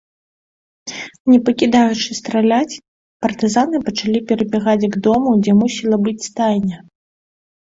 Не пакідаючы страляць, партызаны пачалі перабягаць к дому, дзе мусіла быць стайня.